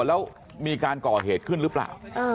แล้วมีการก่อเหตุขึ้นหรือเปล่า